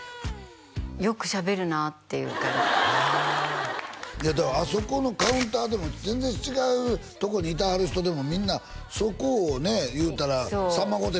よくしゃべるなっていう感じいやだからあそこのカウンターでも全然違うとこにいてはる人でもみんなそこをねいうたら「さんま御殿！！」